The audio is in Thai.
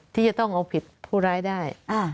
ที่จะต้องเอาผิดผู้ร้ายได้